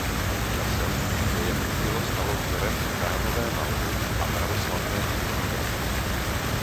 Časem se jeho dílo stalo vzorem chrámové malby a pravoslavné ikonografie.